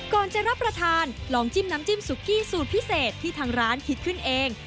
จะรับประทานลองจิ้มน้ำจิ้มซุกี้สูตรพิเศษที่ทางร้านคิดขึ้นเอง